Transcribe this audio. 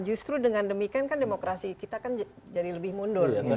justru dengan demikian kan demokrasi kita kan jadi lebih mundur